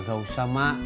gak usah mak